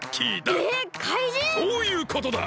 そういうことだ！